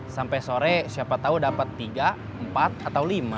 sampai sore siapa tahu dapat tiga empat atau lima